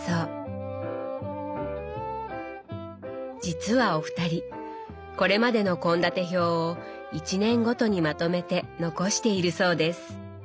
実はお二人これまでの献立表を一年ごとにまとめて残しているそうです。